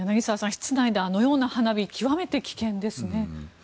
室内であのような花火極めて危険ですね。